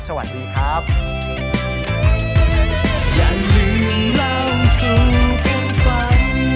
ขอบคุณผู้ชมครับสวัสดีครับ